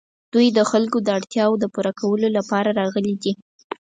دوی د خلکو د اړتیاوو د پوره کولو لپاره راغلي دي.